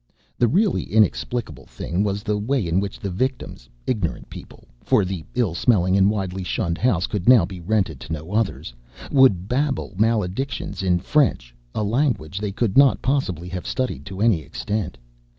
The really inexplicable thing was the way in which the victims ignorant people, for the ill smelling and widely shunned house could now be rented to no others would babble maledictions in French, a language they could not possibly have studied to any extent.